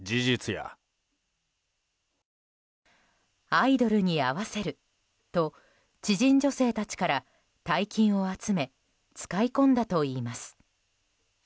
アイドルに会わせると知人女性たちから大金を集め使い込んだといいます。